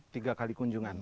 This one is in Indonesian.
tiga kali kunjungan